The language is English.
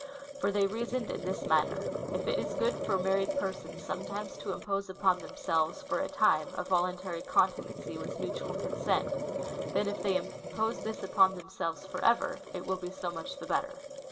For they reasoned in this manner :" If it is good for married j)crsons sometimes to impose upon themselves /or a time a. voluntary continency with mutual consent, then, if they impose this upon themselves for ever, it will be so much the better."